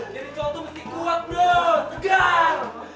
jadi cowok tuh mesti kuat bro tegang